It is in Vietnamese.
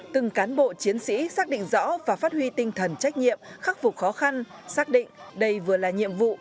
từng cán bộ chiến sĩ xác định rõ và phát huy tinh thần trách nhiệm khắc phục khó khăn xác định đây vừa là nhiệm vụ